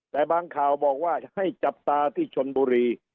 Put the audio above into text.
แต่บางข่าวบอกว่าให้จับตาที่ชนบุรี